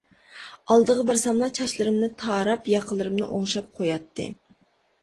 ئالدىغا بارساملا چاچلىرىمنى تاراپ، ياقىلىرىمنى ئوڭشاپ قوياتتى.